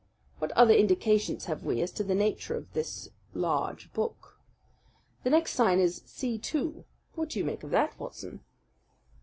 What other indications have we as to the nature of this large book? The next sign is C2. What do you make of that, Watson?"